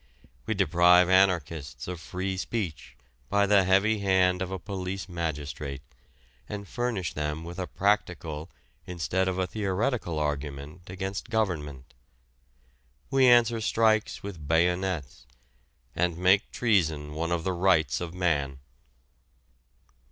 We deprive anarchists of free speech by the heavy hand of a police magistrate, and furnish them with a practical instead of a theoretical argument against government. We answer strikes with bayonets, and make treason one of the rights of man.